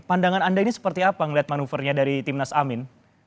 pandangan anda ini seperti apa ngelihat manuvernya dari tim nas amin